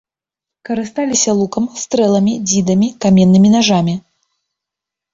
Карысталіся лукам, стрэламі, дзідамі, каменнымі нажамі.